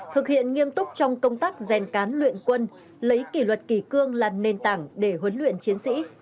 thực hiện nghiêm túc trong công tác rèn cán luyện quân lấy kỷ luật kỳ cương là nền tảng để huấn luyện chiến sĩ